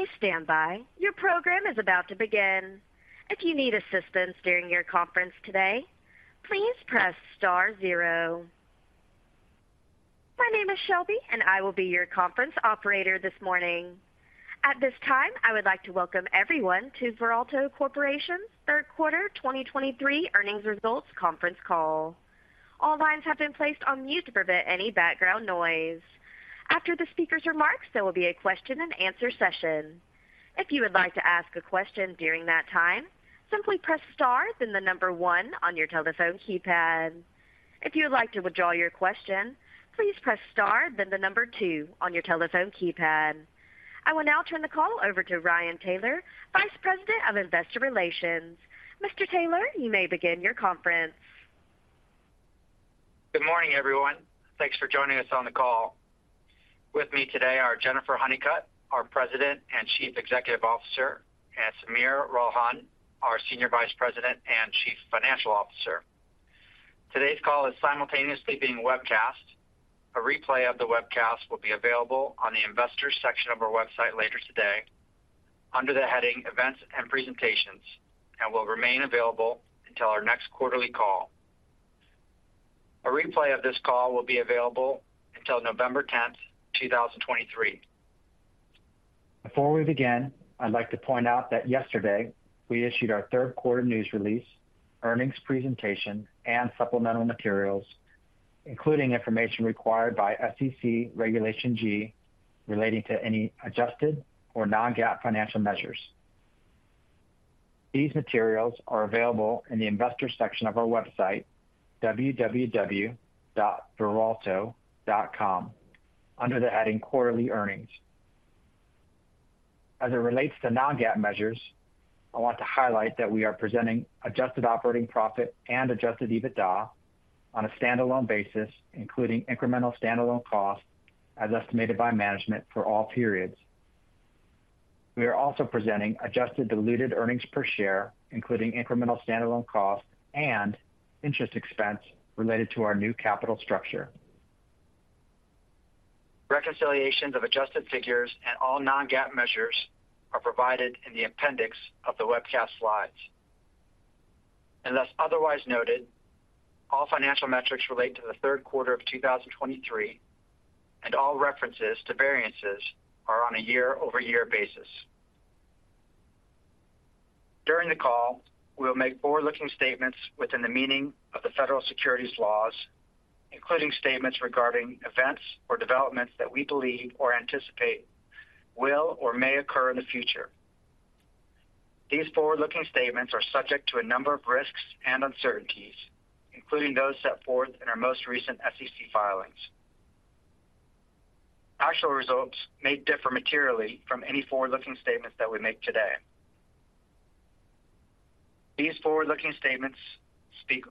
Please stand by. Your program is about to begin. If you need assistance during your conference today, please press star zero. My name is Shelby, and I will be your conference operator this morning. At this time, I would like to welcome everyone to Veralto Corporation third quarter 2023 earnings results conference call. All lines have been placed on mute to prevent any background noise. After the speaker's remarks, there will be a question-and-answer session. If you would like to ask a question during that time, simply press star, then the number one on your telephone keypad. If you would like to withdraw your question, please press star, then the number two on your telephone keypad. I will now turn the call over to Ryan Taylor, Vice President of Investor Relations. Mr. Taylor, you may begin your conference. Good morning, everyone. Thanks for joining us on the call. With me today are Jennifer Honeycutt, our President and Chief Executive Officer, and Sameer Ralhan, our Senior Vice President and Chief Financial Officer. Today's call is simultaneously being webcast. A replay of the webcast will be available on the investor section of our website later today under the heading Events and Presentations and will remain available until our next quarterly call. A replay of this call will be available until November 10th, 2023. Before we begin, I'd like to point out that yesterday we issued our third quarter news release, earnings presentation, and supplemental materials, including information required by SEC Regulation G, relating to any adjusted or non-GAAP financial measures. These materials are available in the investor section of our website, www.veralto.com, under the heading Quarterly Earnings. As it relates to non-GAAP measures, I want to highlight that we are presenting adjusted operating profit and adjusted EBITDA on a standalone basis, including incremental standalone costs as estimated by management for all periods. We are also presenting adjusted diluted earnings per share, including incremental standalone costs and interest expense related to our new capital structure. Reconciliations of adjusted figures and all non-GAAP measures are provided in the appendix of the webcast slides. Unless otherwise noted, all financial metrics relate to the third quarter of 2023, and all references to variances are on a year-over-year basis. During the call, we will make forward-looking statements within the meaning of the federal securities laws, including statements regarding events or developments that we believe or anticipate will or may occur in the future. These forward-looking statements are subject to a number of risks and uncertainties, including those set forth in our most recent SEC filings. Actual results may differ materially from any forward-looking statements that we make today. These forward-looking statements speak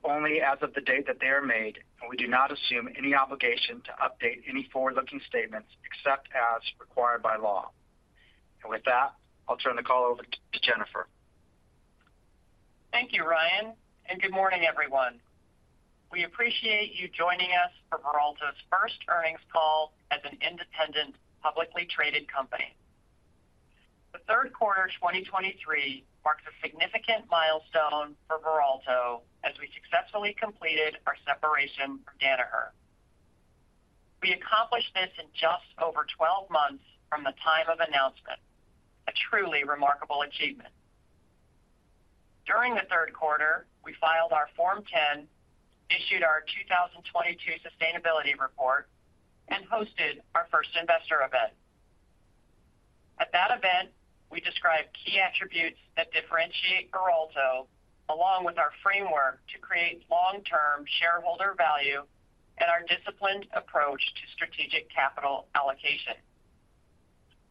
only as of the date that they are made, and we do not assume any obligation to update any forward-looking statements except as required by law. With that, I'll turn the call over to Jennifer. Thank you, Ryan, and good morning, everyone. We appreciate you joining us for Veralto's first earnings call as an independent, publicly traded company. The third quarter of 2023 marks a significant milestone for Veralto as we successfully completed our separation from Danaher. We accomplished this in just over 12 months from the time of announcement, a truly remarkable achievement. During the third quarter, we filed our Form 10, issued our 2022 sustainability report, and hosted our first investor event. At that event, we described key attributes that differentiate Veralto, along with our framework to create long-term shareholder value and our disciplined approach to strategic capital allocation.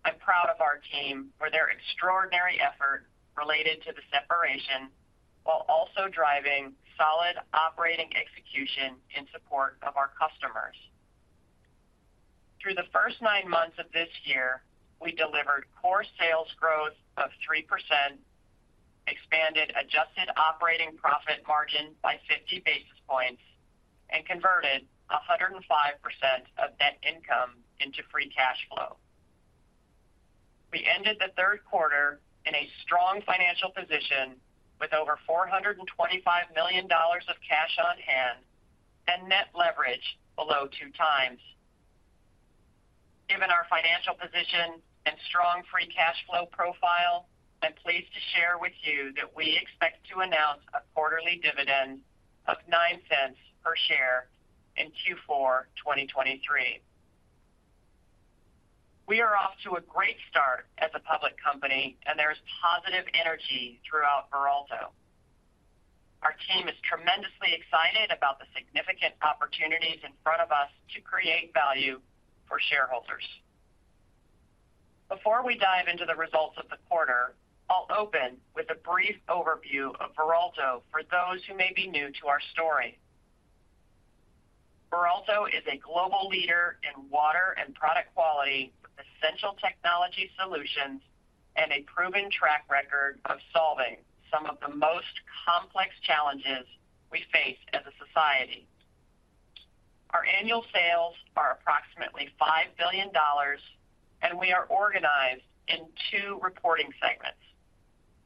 I'm proud of our team for their extraordinary effort related to the separation, while also driving solid operating execution in support of our customers. Through the first nine months of this year, we delivered core sales growth of 3%, expanded adjusted operating profit margin by 50 basis points, and converted 105% of net income into free cash flow. We ended the third quarter in a strong financial position with over $425 million of cash on hand and net leverage below 2x. Given our financial position and strong free cash flow profile, I'm pleased to share with you that we expect to announce a quarterly dividend of $0.09 per share in Q4 2023. We are off to a great start as a public company, and there is positive energy throughout Veralto. Our team is tremendously excited about the significant opportunities in front of us to create value for shareholders. Before we dive into the results of the quarter, I'll open with a brief overview of Veralto for those who may be new to our story. Veralto is a global leader in water and product quality, with essential technology solutions and a proven track record of solving some of the most complex challenges we face as a society. Our annual sales are approximately $5 billion, and we are organized in two reporting segments: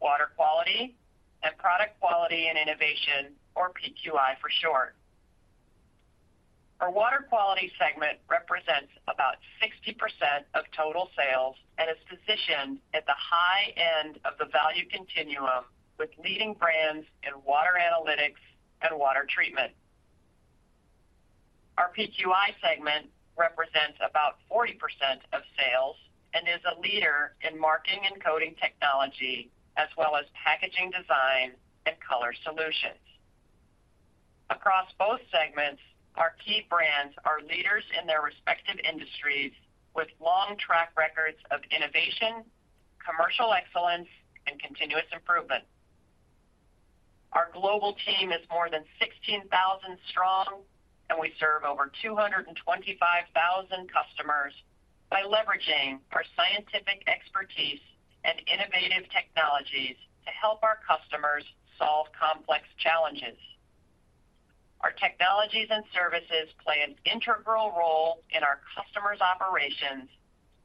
Water Quality and Product Quality and Innovation, or PQI for short. Our Water Quality segment represents about 60% of total sales and is positioned at the high end of the value continuum, with leading brands in water analytics and water treatment. Our PQI segment represents about 40% of sales and is a leader in marking and coding technology, as well as packaging design and color solutions. Across both segments, our key brands are leaders in their respective industries, with long track records of innovation, commercial excellence, and continuous improvement. Our global team is more than 16,000 strong, and we serve over 225,000 customers by leveraging our scientific expertise and innovative technologies to help our customers solve complex challenges. Our technologies and services play an integral role in our customers' operations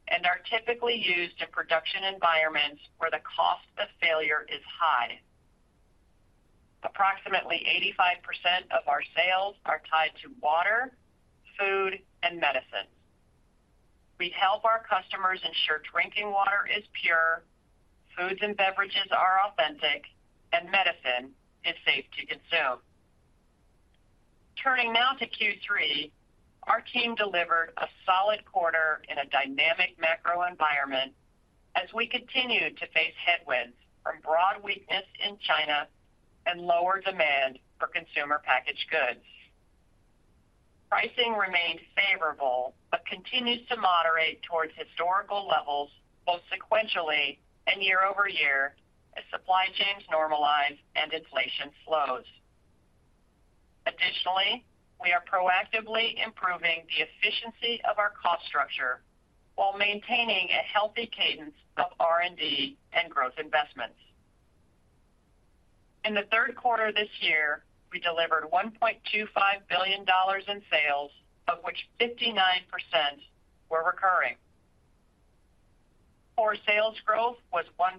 and are typically used in production environments where the cost of failure is high. Approximately 85% of our sales are tied to water, food, and medicine. We help our customers ensure drinking water is pure, foods and beverages are authentic, and medicine is safe to consume. Turning now to Q3, our team delivered a solid quarter in a dynamic macro environment as we continued to face headwinds from broad weakness in China and lower demand for consumer packaged goods. Pricing remained favorable, but continues to moderate towards historical levels, both sequentially and year-over-year, as supply chains normalize and inflation slows. Additionally, we are proactively improving the efficiency of our cost structure while maintaining a healthy cadence of R&D and growth investments. In the third quarter this year, we delivered $1.25 billion in sales, of which 59% were recurring. Core sales growth was 1%,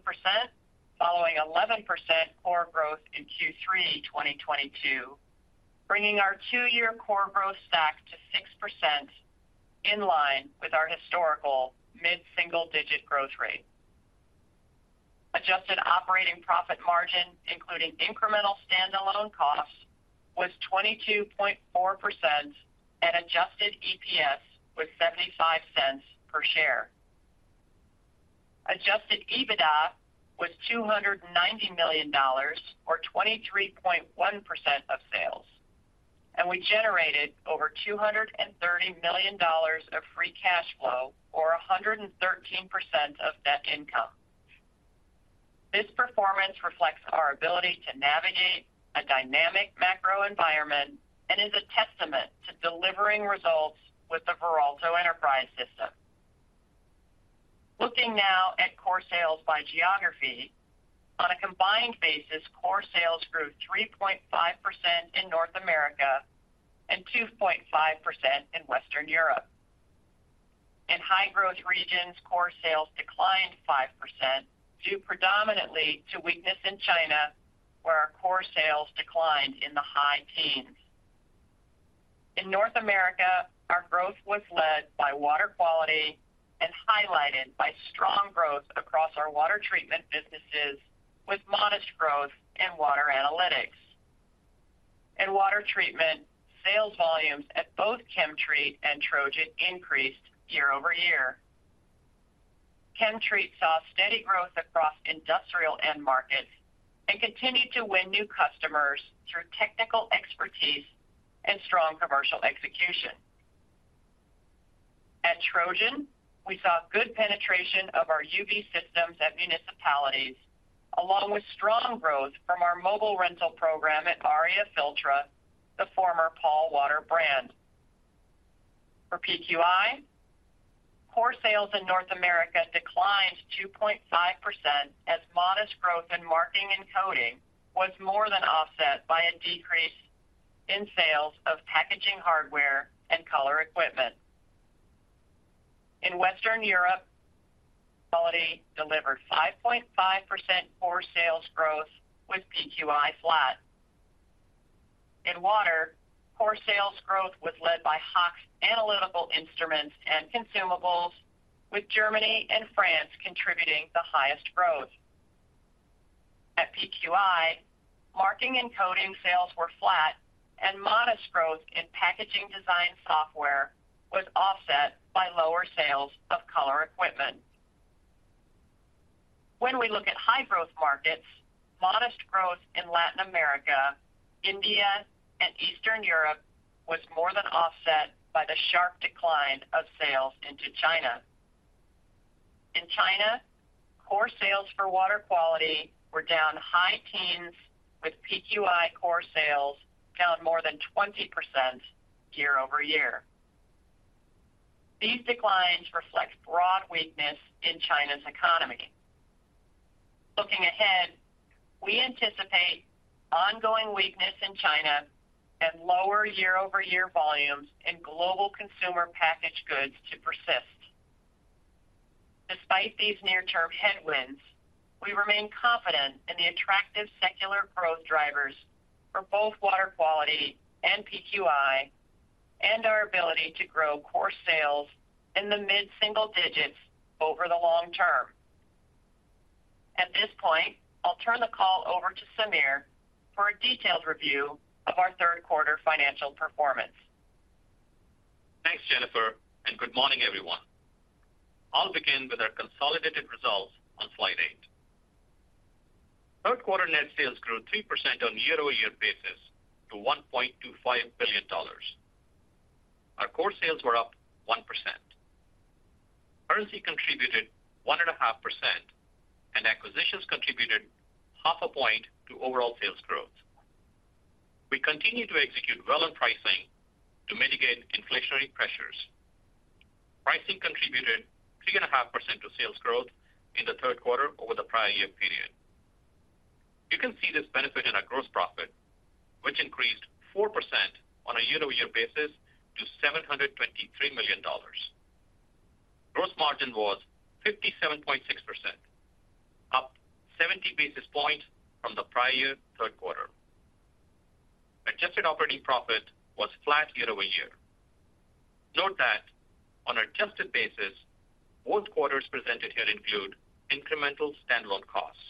following 11% core growth in Q3 2022, bringing our two-year core growth stack to 6%, in line with our historical mid-single digit growth rate. Adjusted operating profit margin, including incremental standalone costs, was 22.4%, and adjusted EPS was $0.75 per share. Adjusted EBITDA was $290 million, or 23.1% of sales, and we generated over $230 million of free cash flow, or 113% of net income. This performance reflects our ability to navigate a dynamic macro environment and is a testament to delivering results with the Veralto Enterprise System. Looking now at core sales by geography. On a combined basis, core sales grew 3.5% in North America and 2.5% in Western Europe. In high-growth regions, core sales declined 5%, due predominantly to weakness in China, where our core sales declined in the high teens. In North America, our growth was led by Water Quality and highlighted by strong growth across our water treatment businesses, with modest growth in water analytics. In water treatment, sales volumes at both ChemTreat and Trojan increased year-over-year. ChemTreat saw steady growth across industrial end markets and continued to win new customers through technical expertise and strong commercial execution. At Trojan, we saw good penetration of our UV systems at municipalities, along with strong growth from our mobile rental program at Aria Filtra, the former Pall Water brand. For PQI, core sales in North America declined 2.5%, as modest growth in marking and coding was more than offset by a decrease in sales of packaging, hardware and color equipment. In Western Europe, Water Quality delivered 5.5% core sales growth, with PQI flat. In Water Quality, core sales growth was led by Hach analytical instruments and consumables, with Germany and France contributing the highest growth. At PQI, marking and coding sales were flat, and modest growth in packaging design software was offset by lower sales of color equipment. When we look at high-growth markets, modest growth in Latin America, India, and Eastern Europe was more than offset by the sharp decline of sales into China. In China, core sales for Water Quality were down high teens, with PQI core sales down more than 20% year-over-year. These declines reflect broad weakness in China's economy. Looking ahead, we anticipate ongoing weakness in China and lower year-over-year volumes in global consumer packaged goods to persist. Despite these near-term headwinds, we remain confident in the attractive secular growth drivers for both Water Quality and PQI, and our ability to grow core sales in the mid-single digits over the long term. At this point, I'll turn the call over to Sameer for a detailed review of our third quarter financial performance. Thanks, Jennifer, and good morning, everyone. I'll begin with our consolidated results on slide eight. Third quarter net sales grew 3% on a year-over-year basis to $1.25 billion. Our core sales were up 1%. Currency contributed 1.5%, and acquisitions contributed 0.5% to overall sales growth. We continue to execute relevant pricing to mitigate inflationary pressures. Pricing contributed 3.5% to sales growth in the third quarter over the prior year period. You can see this benefit in our gross profit, which increased 4% on a year-over-year basis to $723 million. Gross margin was 57.6%, up 70 basis points from the prior year third quarter. Adjusted operating profit was flat year-over-year. Note that on an adjusted basis, both quarters presented here include incremental standalone costs.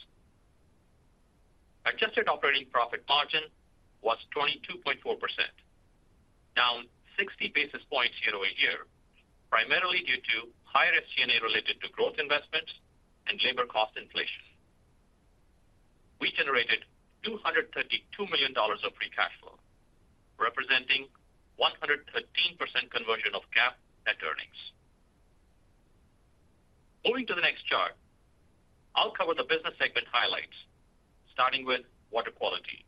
Adjusted operating profit margin was 22.4%, down 60 basis points year-over-year, primarily due to higher SG&A related to growth investments and labor cost inflation. We generated $232 million of free cash flow, representing 113% conversion of GAAP net earnings. Moving to the next chart, I'll cover the business segment highlights, starting with Water Quality.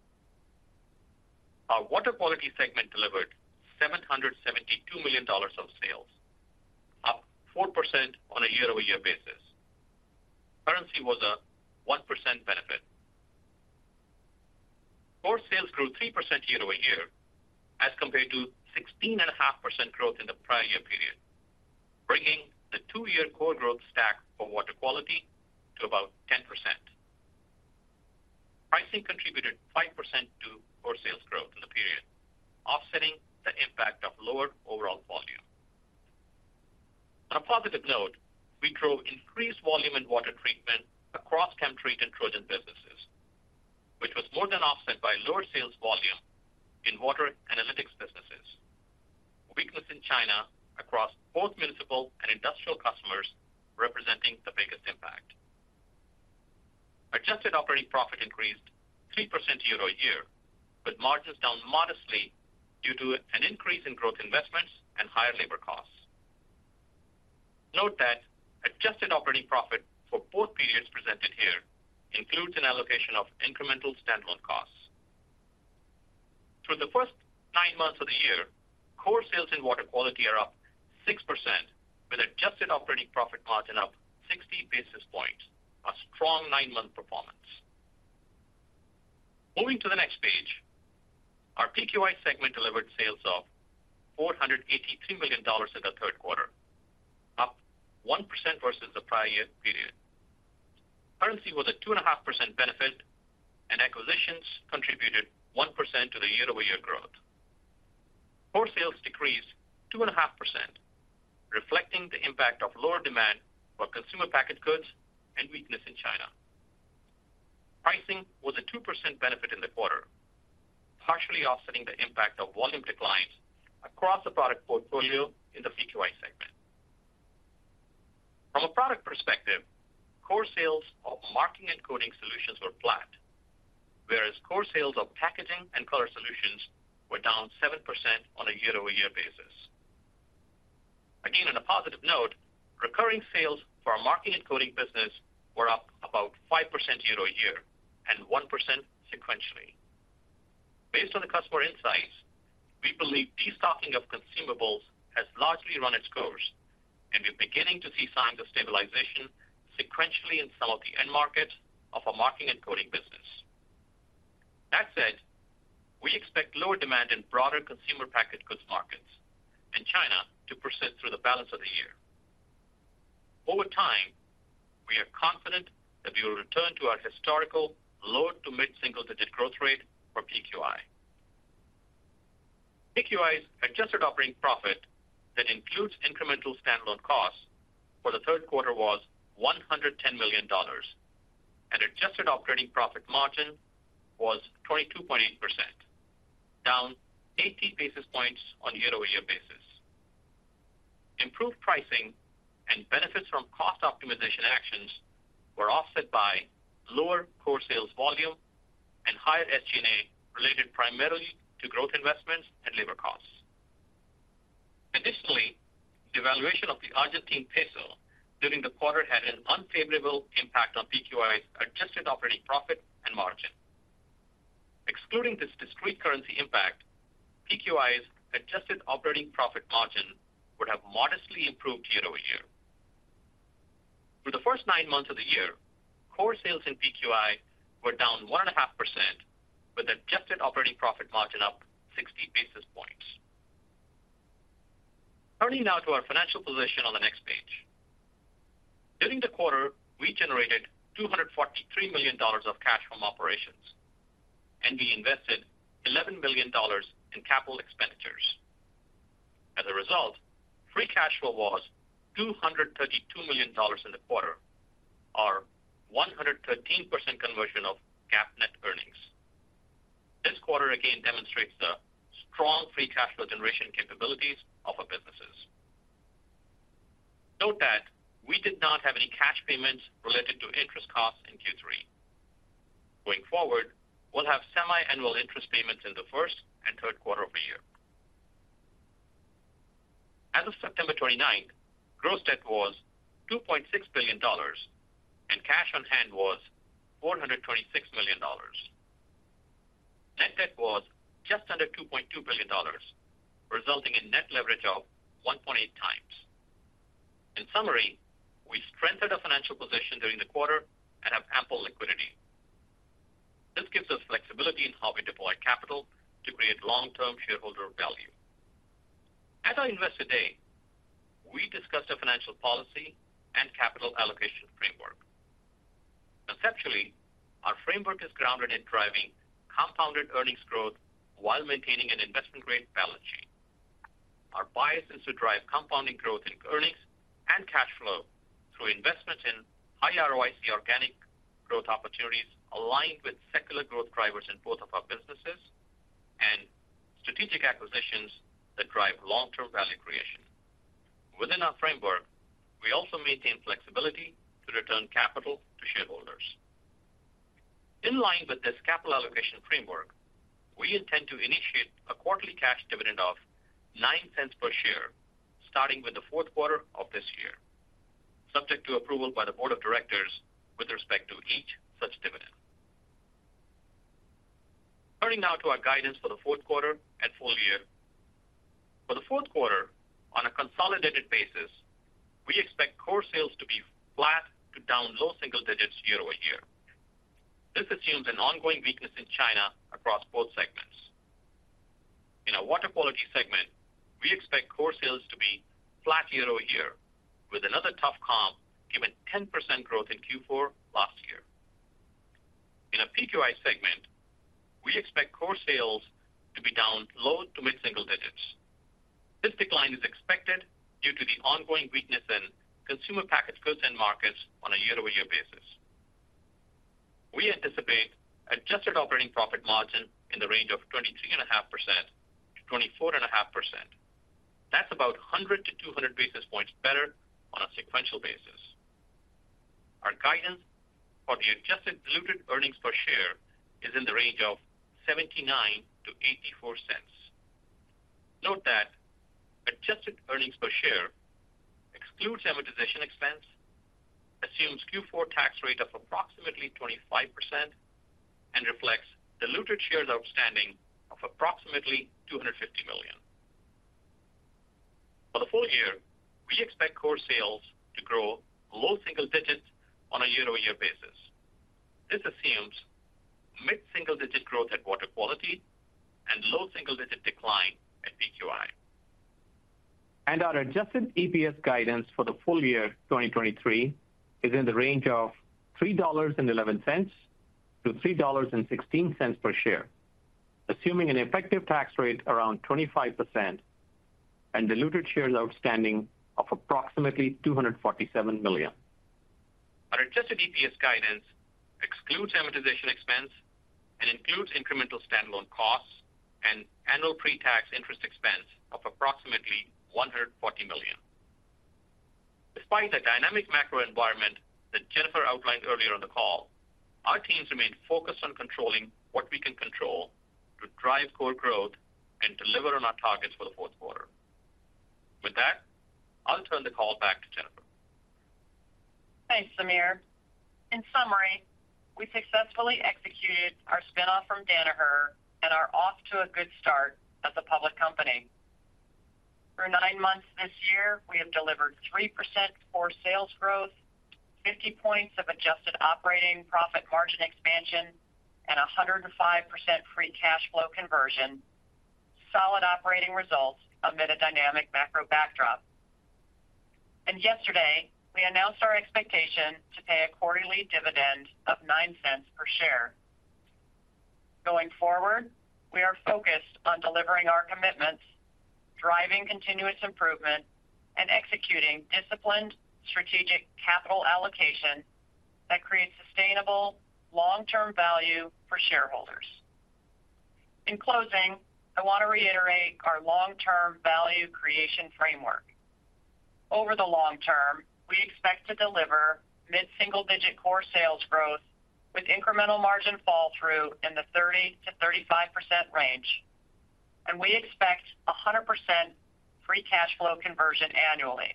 Our Water Quality segment delivered $772 million of sales, up 4% on a year-over-year basis. Currency was a 1% benefit. Core sales grew 3% year-over-year, as compared to 16.5% growth in the prior year period, bringing the two-year core growth stack for Water Quality to about 10%. Pricing contributed 5% to core sales growth in the period, offsetting the impact of lower overall volume. On a positive note, we drove increased volume in water treatment across ChemTreat and Trojan businesses, which was more than offset by lower sales volume in water analytics businesses. Weakness in China across both municipal and industrial customers, representing the biggest impact. Adjusted operating profit increased 3% year-over-year, with margins down modestly due to an increase in growth investments and higher labor costs. Note that adjusted operating profit for both periods presented here includes an allocation of incremental standalone costs. Through the first nine months of the year, core sales in Water Quality are up 6%, with adjusted operating profit margin up 60 basis points, a strong nine-month performance. Moving to the next page. Our PQI segment delivered sales of $483 million in the third quarter, up 1% versus the prior year period. Currency was a 2.5% benefit, and acquisitions contributed 1% to the year-over-year growth. Core sales decreased 2.5%, reflecting the impact of lower demand for consumer packaged goods and weakness in China. Pricing was a 2% benefit in the quarter, partially offsetting the impact of volume declines across the product portfolio in the PQI segment. From a product perspective, core sales of marking and coding solutions were flat, whereas core sales of packaging and color solutions were down 7% on a year-over-year basis. Again, on a positive note, recurring sales for our marking and coding business were up about 5% year-over-year and 1% sequentially. Based on the customer insights, we believe destocking of consumables has largely run its course, and we're beginning to see signs of stabilization sequentially in some of the end markets of our marking and coding business. That said, we expect lower demand in broader consumer packaged goods markets in China to persist through the balance of the year. Over time, we are confident that we will return to our historical low to mid-single-digit growth rate for PQI. PQI's adjusted operating profit that includes incremental standalone costs for the third quarter was $110 million, and adjusted operating profit margin was 22.8%, down 80 basis points on a year-over-year basis. Improved pricing and benefits from cost optimization actions were offset by lower core sales volume and higher SG&A, related primarily to growth investments and labor costs. Additionally, the devaluation of the Argentine peso during the quarter had an unfavorable impact on PQI's adjusted operating profit and margin. Excluding this discrete currency impact, PQI's adjusted operating profit margin would have modestly improved year-over-year. For the first nine months of the year, core sales in PQI were down 1.5%, with adjusted operating profit margin up 60 basis points. Turning now to our financial position on the next page. During the quarter, we generated $243 million of cash from operations, and we invested $11 million in capital expenditures. As a result, free cash flow was $232 million in the quarter, or 113% conversion of GAAP net earnings. This quarter again demonstrates the strong free cash flow generation capabilities of our businesses. Note that we did not have any cash payments related to interest costs in Q3. Going forward, we'll have semi-annual interest payments in the first and third quarter of the year. As of September 29th, gross debt was $2.6 billion, and cash on hand was $426 million. Net debt was just under $2.2 billion, resulting in net leverage of 1.8x. In summary, we strengthened our financial position during the quarter and have ample liquidity. This gives us flexibility in how we deploy capital to create long-term shareholder value. At our Investor Day, we discussed a financial policy and capital allocation framework. Conceptually, our framework is grounded in driving compounded earnings growth while maintaining an investment-grade balance sheet. Our bias is to drive compounding growth in earnings and cash flow through investment in high ROIC organic growth opportunities aligned with secular growth drivers in both of our businesses, and strategic acquisitions that drive long-term value creation. Within our framework, we also maintain flexibility to return capital to shareholders. In line with this capital allocation framework, we intend to initiate a quarterly cash dividend of $0.09 per share, starting with the fourth quarter of this year, subject to approval by the board of directors with respect to each such dividend. Turning now to our guidance for the fourth quarter and full year. For the fourth quarter, on a consolidated basis, we expect core sales to be flat to down low single digits year-over-year. This assumes an ongoing weakness in China across both segments. In our Water Quality segment, we expect core sales to be flat year-over-year, with another tough comp given 10% growth in Q4 last year. In our PQI segment, we expect core sales to be down low- to mid-single digits. This decline is expected due to the ongoing weakness in consumer packaged goods and markets on a year-over-year basis. We anticipate adjusted operating profit margin in the range of 23.5%-24.5%. That's about 100-200 basis points better on a sequential basis. Our guidance for the adjusted diluted earnings per share is in the range of $0.79-$0.84. Note that adjusted earnings per share excludes amortization expense, assumes Q4 tax rate of approximately 25%, and reflects diluted shares outstanding of approximately 250 million. For the full year, we expect core sales to grow low single digits on a year-over-year basis. This assumes mid-single-digit growth at Water Quality and low single-digit decline at PQI. Our adjusted EPS guidance for the full year 2023 is in the range of $3.11-$3.16 per share, assuming an effective tax rate around 25% and diluted shares outstanding of approximately 247 million. Our adjusted EPS guidance excludes amortization expense and includes incremental standalone costs and annual pre-tax interest expense of approximately $140 million. Despite the dynamic macro environment that Jennifer outlined earlier on the call, our teams remain focused on controlling what we can control to drive core growth and deliver on our targets for the fourth quarter. With that, I'll turn the call back to Jennifer. Thanks, Sameer. In summary, we successfully executed our spin-off from Danaher and are off to a good start as a public company. For nine months this year, we have delivered 3% core sales growth, 50 points of adjusted operating profit margin expansion, and 105% free cash flow conversion, solid operating results amid a dynamic macro backdrop. And yesterday, we announced our expectation to pay a quarterly dividend of $0.09 per share. Going forward, we are focused on delivering our commitments, driving continuous improvement, and executing disciplined strategic capital allocation that creates sustainable long-term value for shareholders. In closing, I want to reiterate our long-term value creation framework. Over the long term, we expect to deliver mid-single-digit core sales growth with incremental margin fall through in the 30%-35% range, and we expect 100% free cash flow conversion annually.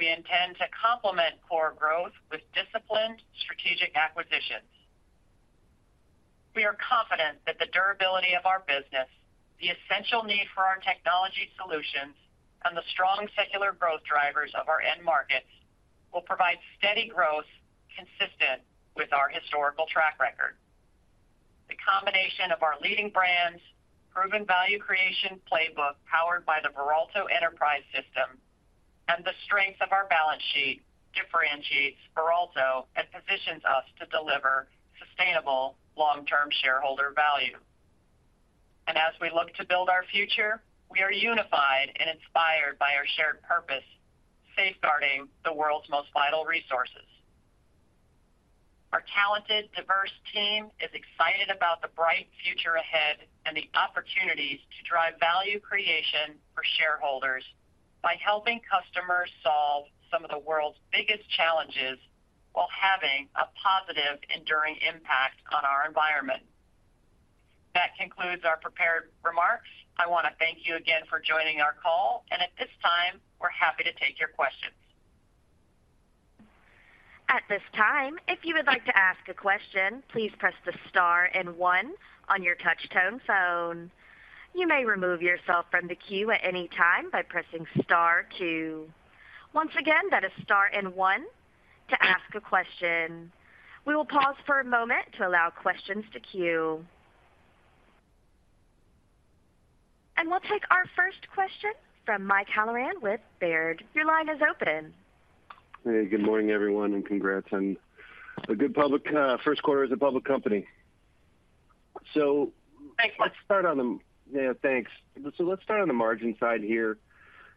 Intend to complement core growth with disciplined strategic acquisitions. We are confident that the durability of our business, the essential need for our technology solutions, and the strong secular growth drivers of our end markets will provide steady growth consistent with our historical track record. The combination of our leading brands, proven value creation playbook, powered by the Veralto Enterprise System, and the strength of our balance sheet differentiates Veralto and positions us to deliver sustainable long-term shareholder value. And as we look to build our future, we are unified and inspired by our shared purpose, safeguarding the world's most vital resources. Our talented, diverse team is excited about the bright future ahead and the opportunities to drive value creation for shareholders by helping customers solve some of the world's biggest challenges while having a positive, enduring impact on our environment. That concludes our prepared remarks. I want to thank you again for joining our call, and at this time, we're happy to take your questions. At this time, if you would like to ask a question, please press the star and one on your touch-tone phone. You may remove yourself from the queue at any time by pressing star two. Once again, that is star and one to ask a question. We will pause for a moment to allow questions to queue. And we'll take our first question from Mike Halloran with Baird. Your line is open. Hey, good morning, everyone, and congrats on a good public first quarter as a public company. So- Thanks, Mike. Yeah, thanks. Let's start on the margin side here.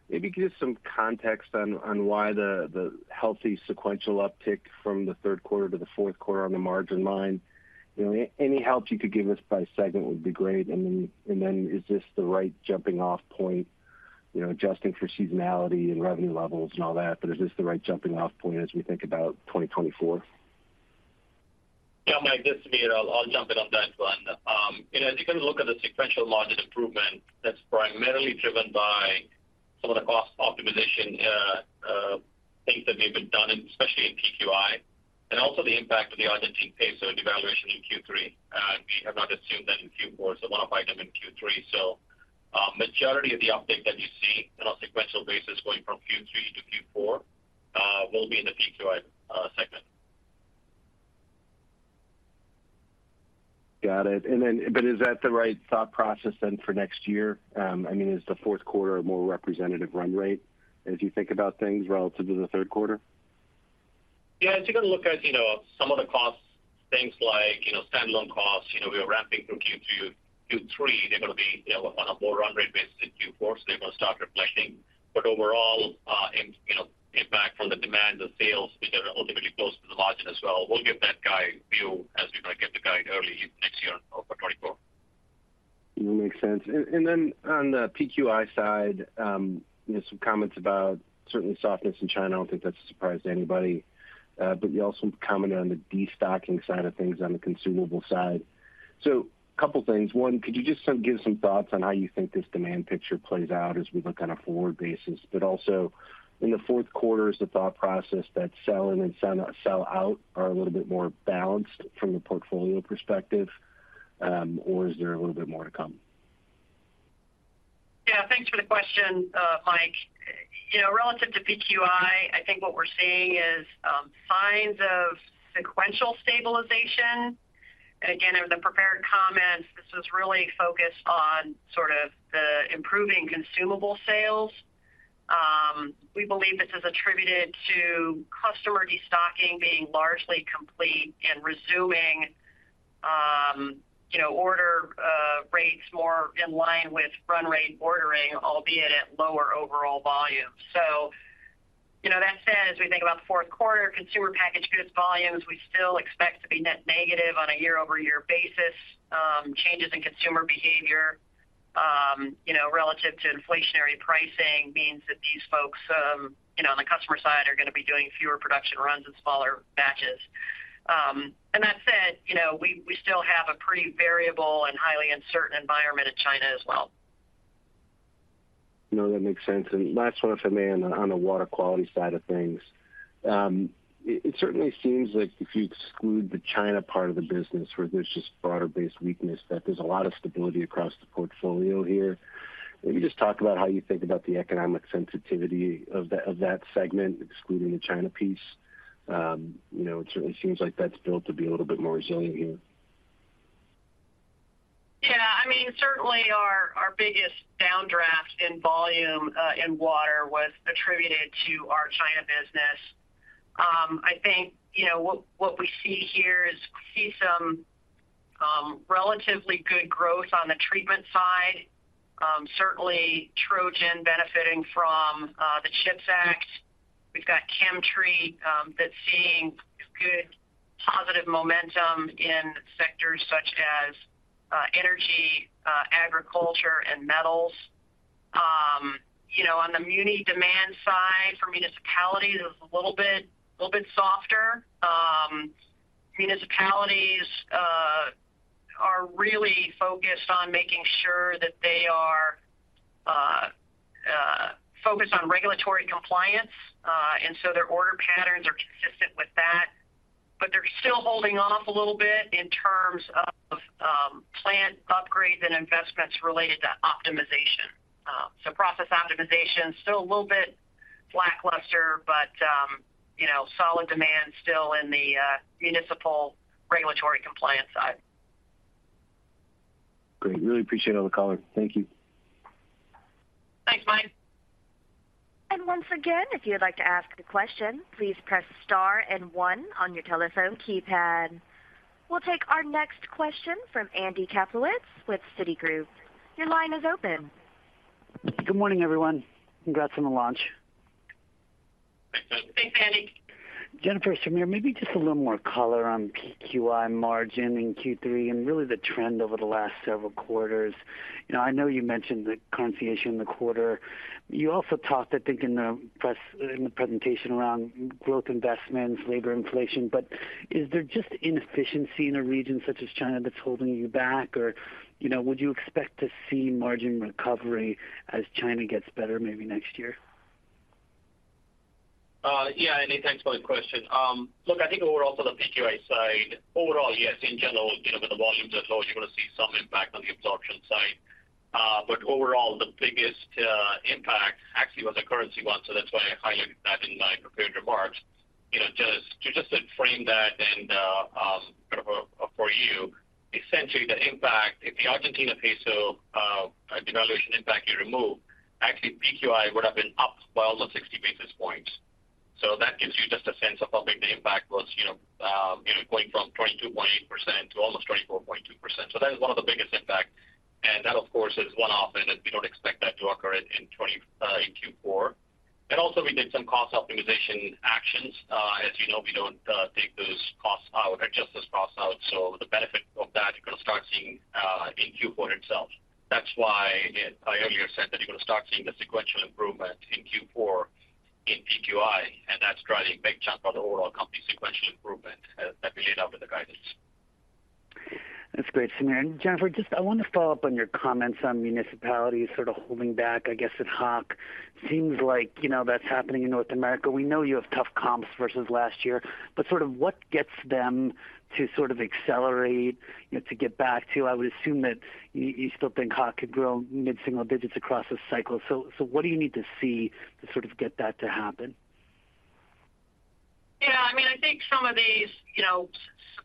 Maybe give some context on why the healthy sequential uptick from the third quarter to the fourth quarter on the margin line. You know, any help you could give us by segment would be great. And then is this the right jumping-off point, you know, adjusting for seasonality and revenue levels and all that, but is this the right jumping-off point as we think about 2024? Yeah, Mike, this is Sameer. I'll jump in on that one. You know, if you're going to look at the sequential margin improvement, that's primarily driven by some of the cost optimization things that we've been done, especially in PQI, and also the impact of the Argentine peso devaluation in Q3. We have not assumed that in Q4, so one-off item in Q3. So, majority of the uptick that you see on a sequential basis going from Q3 to Q4 will be in the PQI segment. Got it. Then, is that the right thought process then for next year? I mean, is the fourth quarter a more representative run rate as you think about things relative to the third quarter? Yeah, if you're going to look at, you know, some of the costs, things like, you know, standalone costs, you know, we are ramping from Q2 to Q3, they're going to be, you know, on a more run rate basis in Q4, so they're going to start reflecting. But overall, you know, impact from the demand, the sales, which are ultimately close to the margin as well. We'll give that guide view as we might get the guide early next year for 2024. Makes sense. And then on the PQI side, some comments about certainly softness in China. I don't think that's a surprise to anybody. But you also commented on the destocking side of things on the consumable side. So a couple of things. One, could you just give some thoughts on how you think this demand picture plays out as we look on a forward basis? But also, in the fourth quarter, is the thought process that sell in and sell out are a little bit more balanced from the portfolio perspective, or is there a little bit more to come? Yeah, thanks for the question, Mike. You know, relative to PQI, I think what we're seeing is signs of sequential stabilization. Again, in the prepared comments, this is really focused on sort of the improving consumable sales. We believe this is attributed to customer destocking being largely complete and resuming, you know, order rates more in line with run rate ordering, albeit at lower overall volumes. So you know, that said, as we think about the fourth quarter, consumer packaged goods volumes, we still expect to be net negative on a year-over-year basis. Changes in consumer behavior, you know, relative to inflationary pricing, means that these folks, you know, on the customer side, are going to be doing fewer production runs and smaller batches. That said, you know, we still have a pretty variable and highly uncertain environment in China as well. No, that makes sense. And last one, if I may, on the Water Quality side of things. It certainly seems like if you exclude the China part of the business, where there's just broader-based weakness, that there's a lot of stability across the portfolio here. Maybe just talk about how you think about the economic sensitivity of that segment, excluding the China piece. You know, it certainly seems like that's built to be a little bit more resilient here. Yeah, I mean, certainly our biggest downdraft in volume in water was attributed to our China business. I think, you know, what we see here is we see some relatively good growth on the treatment side. Certainly Trojan benefiting from the CHIPS Act. We've got ChemTreat that's seeing good positive momentum in sectors such as energy, agriculture, and metals. You know, on the muni demand side, for municipalities, it was a little bit softer. Municipalities are really focused on making sure that they are focused on regulatory compliance. And so their order patterns are consistent with that, but they're still holding off a little bit in terms of plant upgrades and investments related to optimization. Process optimization, still a little bit lackluster, but, you know, solid demand still in the municipal regulatory compliance side. Great. Really appreciate all the color. Thank you. Thanks, Mike. Once again, if you'd like to ask a question, please press Star and One on your telephone keypad. We'll take our next question from Andy Kaplowitz with Citigroup. Your line is open. Good morning, everyone. Congrats on the launch. Thanks, Andy. Jennifer, Sameer, maybe just a little more color on PQI margin in Q3, and really the trend over the last several quarters. You know, I know you mentioned the currency issue in the quarter. You also talked, I think, in the press, in the presentation around growth investments, labor inflation. But is there just inefficiency in a region such as China that's holding you back? Or, you know, would you expect to see margin recovery as China gets better maybe next year? Yeah, Andy, thanks for the question. Look, I think overall for the PQI side, overall, yes, in general, you know, with the volumes as well, you're going to see some impact on the absorption side. But overall, the biggest impact actually was the currency one, so that's why I highlighted that in my prepared remarks. You know, just to frame that and, kind of, for you, essentially the impact, if the Argentine peso devaluation impact you remove, actually, PQI would have been up by almost 60 basis points. So that gives you just a sense of how big the impact was, you know, going from 22.8% to almost 24.2%. So that is one of the biggest impact, and that, of course, is one-off, and we don't expect that to occur in 2024 in Q4. Also we did some cost optimization actions. As you know, we don't take those costs out or adjust those costs out, so the benefit of that, you're going to start seeing in Q4 itself. That's why I earlier said that you're going to start seeing the sequential improvement in Q4 in PQI, and that's driving a big chunk of the overall company sequential improvement as that we end up with the guidance. That's great, Sameer. And Jennifer, just I want to follow up on your comments on municipalities sort of holding back, I guess, Hach. Seems like, you know, that's happening in North America. We know you have tough comps versus last year, but sort of what gets them to sort of accelerate, you know, to get back to? I would assume that you, you still think Hach could grow mid-single digits across this cycle. So, so what do you need to see to sort of get that to happen? Yeah, I mean, I think some of these, you know,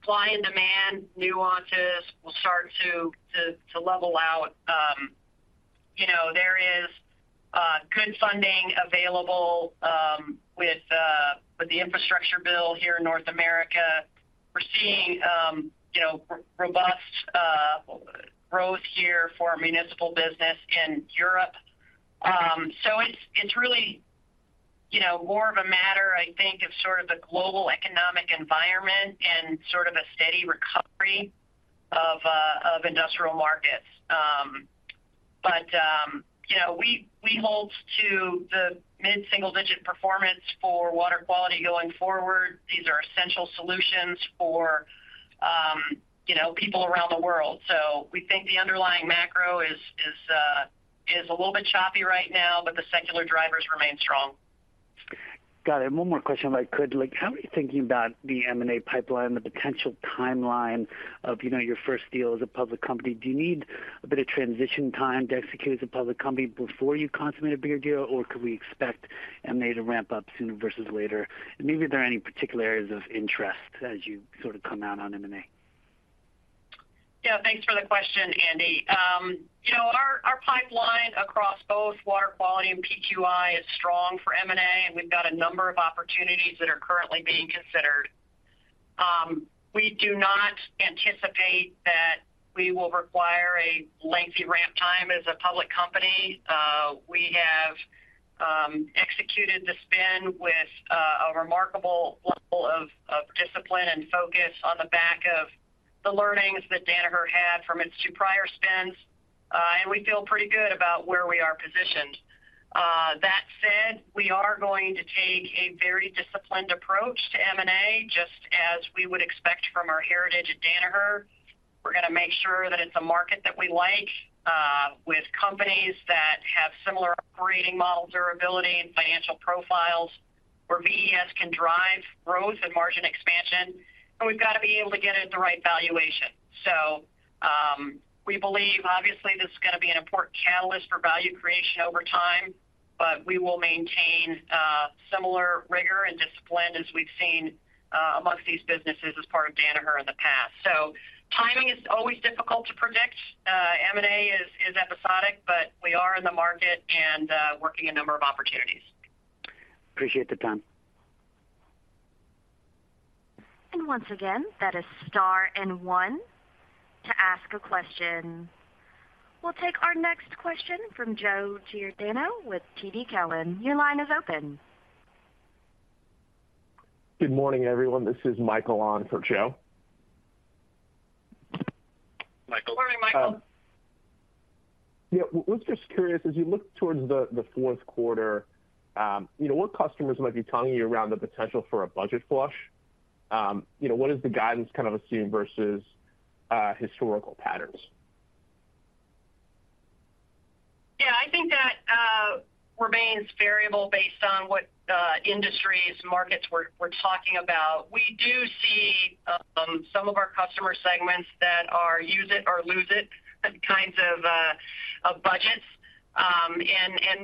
supply and demand nuances will start to level out. You know, there is good funding available with the infrastructure bill here in North America. We're seeing, you know, robust growth here for our municipal business in Europe. So it's really, you know, more of a matter, I think, of sort of the global economic environment and sort of a steady recovery of industrial markets. But, you know, we hold to the mid-single-digit performance for Water Quality going forward. These are essential solutions for, you know, people around the world. So we think the underlying macro is a little bit choppy right now, but the secular drivers remain strong. Got it. One more question, if I could. Like, how are you thinking about the M&A pipeline and the potential timeline of, you know, your first deal as a public company? Do you need a bit of transition time to execute as a public company before you consummate a bigger deal, or could we expect M&A to ramp up sooner versus later? And maybe are there any particular areas of interest as you sort of come out on M&A? Yeah, thanks for the question, Andy. You know, our pipeline across both Water Quality and PQI is strong for M&A, and we've got a number of opportunities that are currently being considered. We do not anticipate that we will require a lengthy ramp time as a public company. We have executed the spin with a remarkable level of discipline and focus on the back of the learnings that Danaher had from its two prior spins, and we feel pretty good about where we are positioned. That said, we are going to take a very disciplined approach to M&A, just as we would expect from our heritage at Danaher. We're going to make sure that it's a market that we like, with companies that have similar operating model durability and financial profiles, where VES can drive growth and margin expansion, and we've got to be able to get it at the right valuation. So, we believe, obviously, this is going to be an important catalyst for value creation over time, but we will maintain similar rigor and discipline as we've seen amongst these businesses as part of Danaher in the past. So timing is always difficult to predict. M&A is episodic, but we are in the market and working a number of opportunities. Appreciate the time. Once again, that is star one to ask a question. We'll take our next question from Joe Giordano with TD Cowen. Your line is open. Good morning, everyone. This is Michael on for Joe. Michael. Good morning, Michael. Yeah. I was just curious, as you look towards the fourth quarter, you know, what customers might be telling you around the potential for a budget flush? You know, what is the guidance kind of assume versus historical patterns? Yeah, I think that remains variable based on what industries, markets we're talking about. We do see some of our customer segments that are use it or lose it kinds of budgets.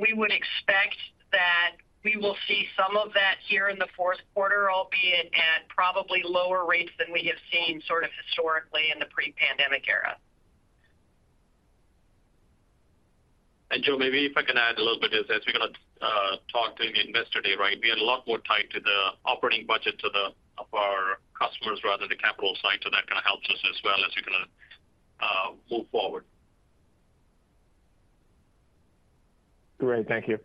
We would expect that we will see some of that here in the fourth quarter, albeit at probably lower rates than we have seen sort of historically in the pre-pandemic era. Joe, maybe if I can add a little bit, is as we're going to talk to the Investor Day, right? We are a lot more tied to the operating budget to the-- of our customers rather than the capital side, so that kind of helps us as well as we're going to move forward. Great. Thank you.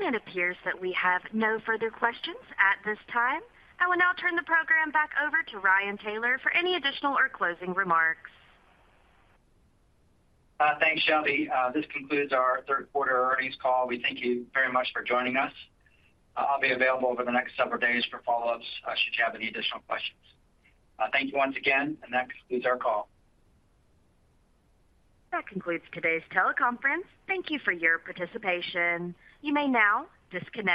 It appears that we have no further questions at this time. I will now turn the program back over to Ryan Taylor for any additional or closing remarks. Thanks, Shelby. This concludes our third quarter earnings call. We thank you very much for joining us. I'll be available over the next several days for follow-ups, should you have any additional questions. Thank you once again, and that concludes our call. That concludes today's teleconference. Thank you for your participation. You may now disconnect.